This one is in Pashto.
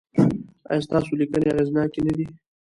ایا ستاسو لیکنې اغیزناکې نه دي؟